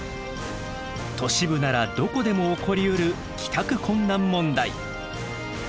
都市部ならどこでも起こりうる帰宅困難問題。